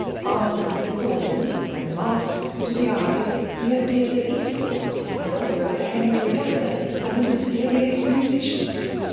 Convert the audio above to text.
Armed with an accordion, and masked to the eyes, he had appeared at Eastbourne, and also at the Henley Regatta, as a Mysterious Musician.